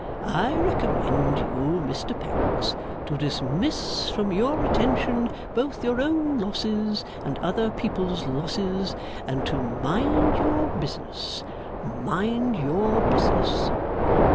I recommend you, Mr Pancks, to dismiss from your attention both your own losses and other people's losses, and to mind your business, mind your business.